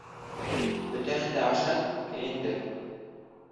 Бөтәһен дә ашат, кейендер...